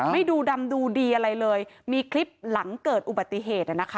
ดูดำดูดีอะไรเลยมีคลิปหลังเกิดอุบัติเหตุ